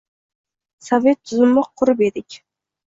Sovet tuzumi qurib edik.